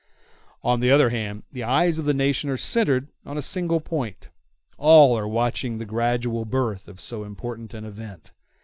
On the other hand, the eyes of the nation are centred on a single point; all are watching the gradual birth of so important an event.